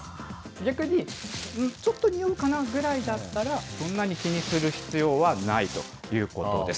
逆に、ちょっとにおうかなぐらいだったらそんなに気にする必要はないということです。